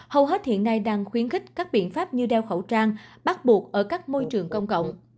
hầu hết hiện nay đang khuyến khích các biện pháp như đeo khẩu trang bắt buộc ở các môi trường công cộng